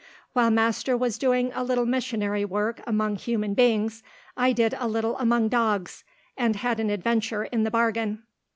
While master was doing a little missionary work among human beings, I did a little among dogs, and had an adventure in the bargain.